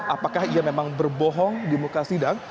apakah ia memang berbohong di muka sidang